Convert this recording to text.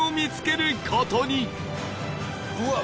うわっ！